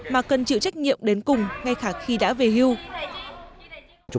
mà cần chịu trách nhiệm đến cùng ngay cả khi đã về hưu